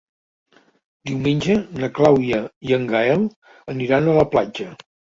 Diumenge na Clàudia i en Gaël aniran a la platja.